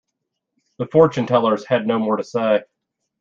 The fortune-tellers had no more to say.